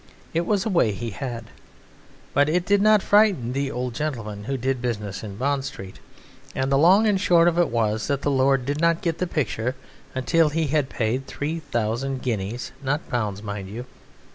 It was a way he had. But it did not frighten the old gentleman who did business in Bond Street, and the long and short of it was that the lord did not get the picture until he had paid three thousand guineas not pounds, mind you.